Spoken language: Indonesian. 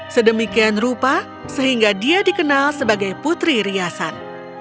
sedemikian rupa sehingga dia dikenal sebagai putri riasan